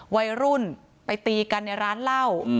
วัยรุ่นไปตีกันในร้านเหล้า